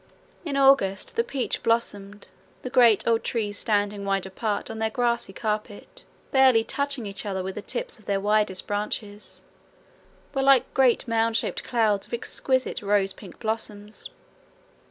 In August the peach blossomed. The great old trees standing wide apart on their grassy carpet, barely touching each other with the tips of their widest branches, were like great mound shaped clouds of exquisite rosy pink blossoms.